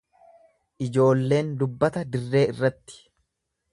Ijoolleen dubbata dirree irratti.